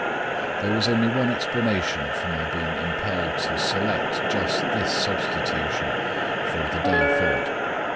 There was only one explanation for my being impelled to select just this substitution for the day thought.